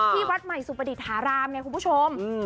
วัดใหม่สุประดิษฐารามไงคุณผู้ชม